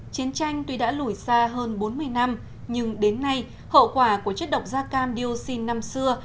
chiến tranh tuy đã lùi xa hơn bốn mươi năm nhưng đến nay hậu quả của chất độc da cam dioxin năm xưa